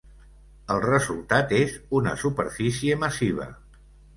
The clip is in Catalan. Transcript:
El resultat és una superfície massiva.